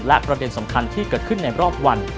และประเด็นสำคัญที่เกิดขึ้นในรอบวัน